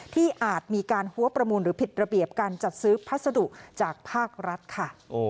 อาจมีการหัวประมูลหรือผิดระเบียบการจัดซื้อพัสดุจากภาครัฐค่ะ